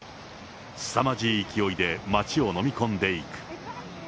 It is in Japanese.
すさまじい勢いで街を飲み込んでいく。